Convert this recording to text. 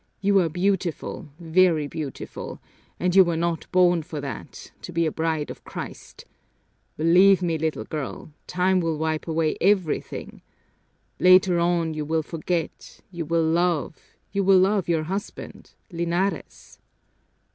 You are beautiful, very beautiful, and you were not born for that to be a bride of Christ! Believe me, little girl, time will wipe away everything. Later on you will forget, you will love, you will love your husband Linares."